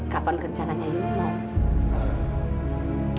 kapan rencananya ayu